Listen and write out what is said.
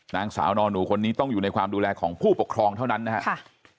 นางสาวนอนหนูคนนี้ต้องอยู่ในความดูแลของผู้ปกครองเท่านั้นนะครับ